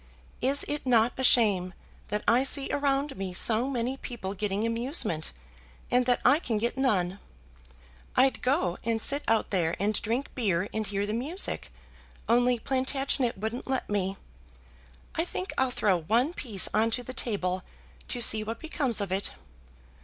Is it not a shame that I see around me so many people getting amusement, and that I can get none? I'd go and sit out there, and drink beer and hear the music, only Plantagenet wouldn't let me. I think I'll throw one piece on to the table to see what becomes of it."